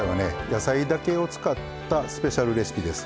野菜だけを使ったスペシャルレシピです。